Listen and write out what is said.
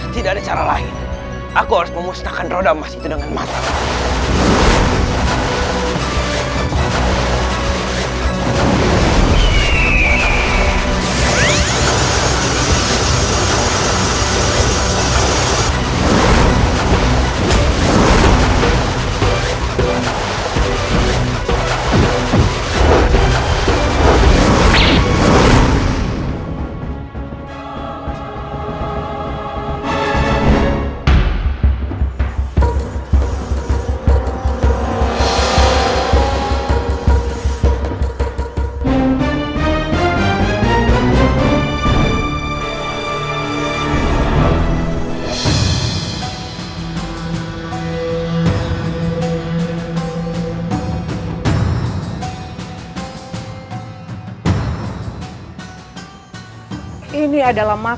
tidak ada cara lain aku harus memusnahkan roda emas itu dengan matah